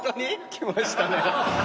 きましたね。